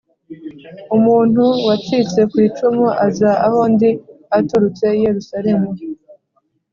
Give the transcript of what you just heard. umuntu wacitse ku icumu aza aho ndi aturutse i Yerusalemu